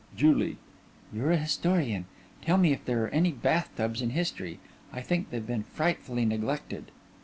JULIE: You're a historian. Tell me if there are any bath tubs in history. I think they've been frightfully neglected.